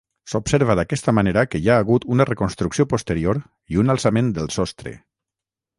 S'observa d'aquesta manera que hi ha hagut una reconstrucció posterior i un alçament del sostre.